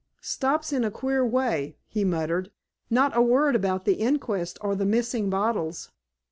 "Stops in a queer way," he muttered. "Not a word about the inquest or the missing bottles."